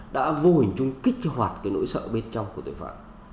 đã vô hình chung kích hoạt cái nỗi sợ bên trong của tội phạm